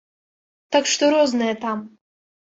Так што розныя там.